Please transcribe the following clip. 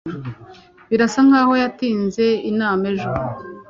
birasa nkaho yatinze inama ejo